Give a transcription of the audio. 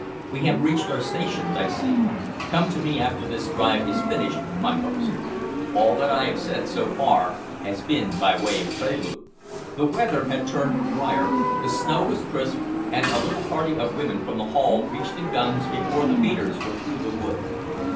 We have reached our stations, I see. Come to me after this drive is finished, my host. All that I have said so far has been by way of prelude." The weather had turned drier, the snow was crisp, and a little party of women from the Hall reached the guns before the beaters were through the wood.